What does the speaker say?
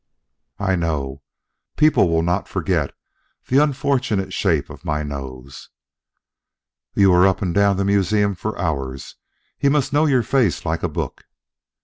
"I know; people will not forget the unfortunate shape of my nose." "You were up and down the museum for hours. He must know your face like a book."